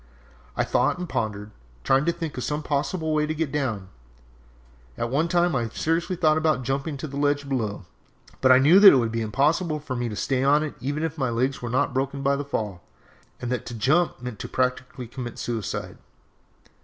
I thought and pondered, trying to think of some possible way to get down! At one time I thought seriously of jumping to the ledge below, but I knew that it would be impossible for me to stay on it even if my legs were not broken by the fall, and that to jump meant practically to commit suicide!